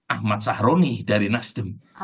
ahmad sahroni dari nasdem